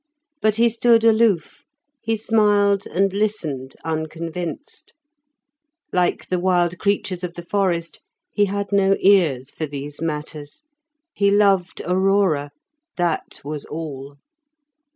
But he stood aloof; he smiled and listened, unconvinced; like the wild creatures of the forest, he had no ears for these matters. He loved Aurora, that was all.